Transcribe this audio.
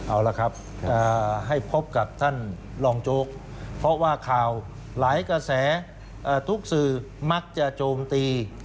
เอาละครับให้พบกับท่านรองโจ๊กเพราะว่าข่าวหลายกระแสทุกสื่อมักจะโจมตี